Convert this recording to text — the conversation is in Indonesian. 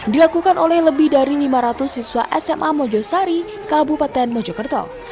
dilakukan oleh lebih dari lima ratus siswa sma mojosari kabupaten mojokerto